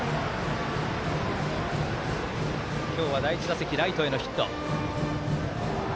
今日は第１打席ライトへのヒット。